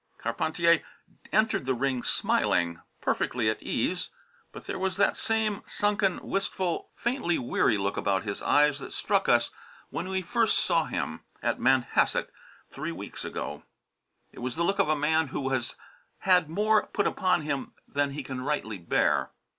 Carpentier entered the ring smiling, perfectly at ease; but there was that same sunken, wistful, faintly weary look about his eyes that struck us when we first saw him, at Manhasset, three weeks ago. It was the look of a man who has had more put upon him than he can rightly bear.